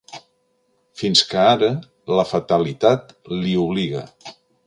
Fins que ara la fatalitat l'hi obliga.